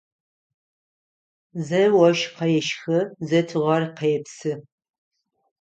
Зэ ощх къещхы, зэ тыгъэр къепсы.